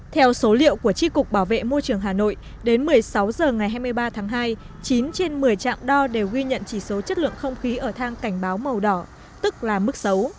theo số liệu của tri cục bảo vệ môi trường hà nội đến một mươi sáu h ngày hai mươi ba tháng hai chín trên một mươi trạm đo đều ghi nhận chỉ số chất lượng không khí ở thang cảnh báo màu đỏ tức là mức xấu